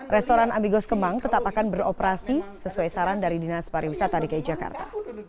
restoran amigos kemang tetap akan beroperasi sesuai saran dari dinas pariwisata di kaya jakarta